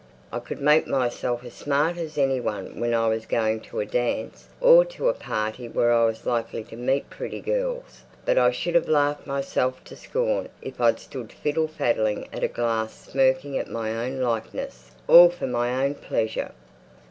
I could make myself as smart as any one when I was going to a dance, or to a party where I was likely to meet pretty girls; but I should have laughed myself to scorn if I'd stood fiddle faddling at a glass, smirking at my own likeness, all for my own pleasure."